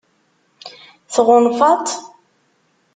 Tɣunfaḍ-t?